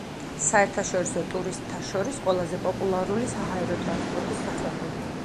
საერთაშორისო ტურისტთა შორის ყველაზე პოპულარული საჰაერო ტრანსპორტის სახეობებია.